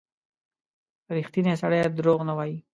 • ریښتینی سړی دروغ نه وايي.